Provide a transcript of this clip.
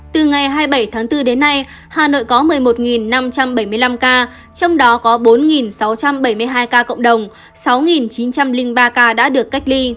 từ ngày hai mươi bảy tháng bốn đến nay hà nội có một mươi một năm trăm bảy mươi năm ca trong đó có bốn sáu trăm bảy mươi hai ca cộng đồng sáu chín trăm linh ba ca đã được cách ly